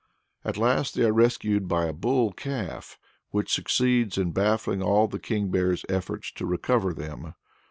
At last they are rescued by a bull calf, which succeeds in baffling all the King Bear's efforts to recover them.